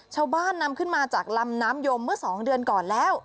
ชาวบ้านนำขึ้นมาจากลำน้ำยมเมื่อ๒เดือนก่อนแล้ว